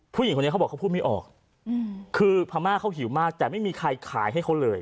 ผู้หญิงคนนี้เขาบอกเขาพูดไม่ออกคือพม่าเขาหิวมากแต่ไม่มีใครขายให้เขาเลย